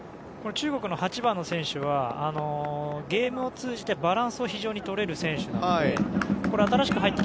中国の８番の選手はゲームを通じてバランスを非常にとれる選手なので。